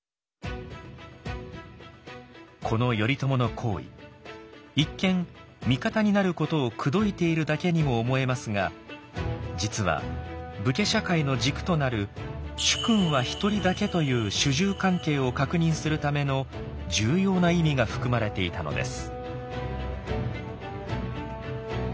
この頼朝の行為一見味方になることを口説いているだけにも思えますが実は武家社会の軸となる「主君は一人だけ」という主従関係を確認するための重要な意味が含まれていたのです。